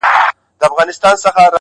• پیاز دي وي په نیاز دي وي ,